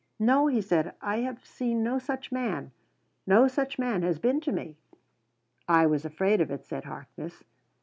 "No," he said, "I have seen no such man. No such man has been to me!" "I was afraid of it," said Harkness.